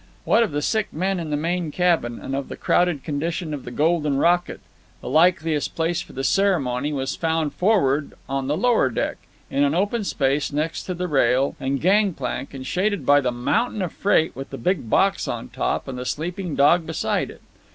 What of the sick men in the main cabin, and of the crowded condition of the Golden Rocket, the likeliest place for the ceremony was found forward, on the lower deck, in an open space next to the rail and gang plank and shaded by the mountain of freight with the big box on top and the sleeping dog beside it.